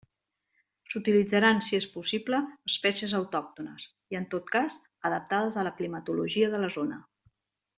S'utilitzaran, si és possible, espècies autòctones, i, en tot cas, adaptades a la climatologia de la zona.